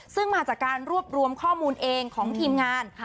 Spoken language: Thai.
ซึ่งมาจากการรวบรวมข้อมูลเองของทีมงาน